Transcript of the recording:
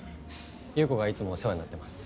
優子がいつもお世話になってます。